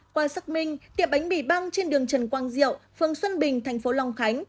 qua xác minh tiệm bánh mì băng trên đường trần quang diệu phường xuân bình tp long khánh